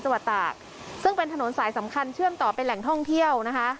ตากซึ่งเป็นถนนสายสำคัญเชื่อมต่อไปแหล่งท่องเที่ยวนะคะ